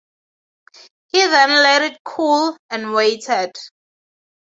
He then let it cool and waited.